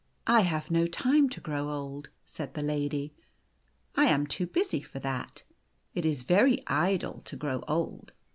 "I have no time to grow old," said the lady. "I am too busy for that. It is very idle to grow old.